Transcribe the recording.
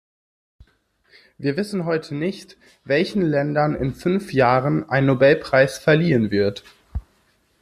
Wir wissen heute nicht, welchen Ländern in fünf Jahren ein Nobelpreis verliehen wird.